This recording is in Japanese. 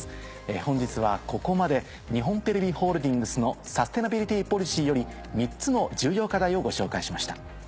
本日はここまで日本テレビホールディングスのサステナビリティポリシーより３つの重要課題をご紹介しました。